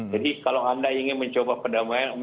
jadi kalau anda ingin mencoba perdamaian